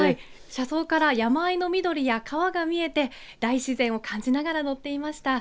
車窓から山あいの緑や川が見えて大自然を感じながら乗っていました。